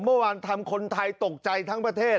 เมื่อวานทำคนไทยตกใจทั้งประเทศ